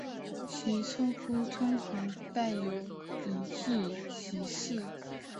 其称呼通常带有隐性歧视。